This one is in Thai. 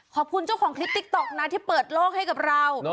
ขอบคุณเจ้าของคลิปติ๊กต๊อกนะที่เปิดโลกให้กับเรา